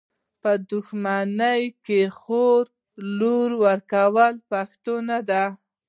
په دښمني کي د خور لور ورکول پښتو نده .